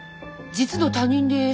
実の他人です。